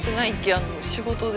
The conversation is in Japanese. あの仕事で。